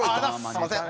すみません。